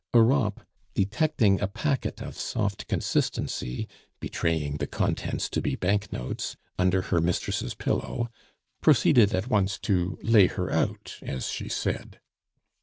Europe, detecting a packet of soft consistency, betraying the contents to be banknotes, under her mistress' pillow, proceeded at once to "lay her out," as she said.